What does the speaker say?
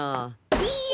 いいえ！